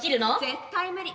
絶対無理。